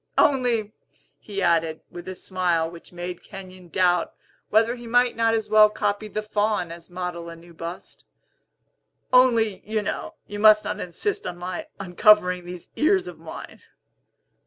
Only," he added, with a smile which made Kenyon doubt whether he might not as well copy the Faun as model a new bust, "only, you know, you must not insist on my uncovering these ears of mine!"